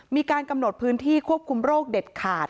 มีการกำหนดพื้นที่ควบคุมโรคเด็ดขาด